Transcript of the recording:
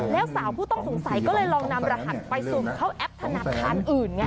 แล้วสาวผู้ต้องสงสัยก็เลยลองนำรหัสไปสุ่มเข้าแอปธนาคารอื่นไง